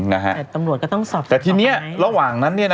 แต่ตำรวจก็ต้องสอบส่วนแต่ทีนี้ระหว่างนั้น